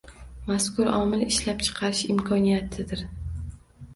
Mazkur omil ishlab chiqarish imkoniyatidir.